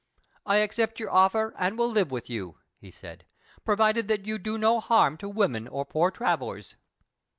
"I accept your offer, and will live with you," he said, "provided that you do no harm to women or poor travellers."